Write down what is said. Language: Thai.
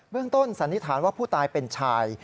ต้นสันนิษฐานว่าผู้ตายเป็นชาย